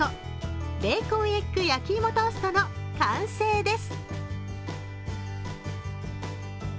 ベーコンエッグ焼き芋トーストの完成です。